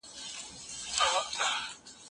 انتقادي فکر څنګه د خپلواک فکر ملاتړ کوي؟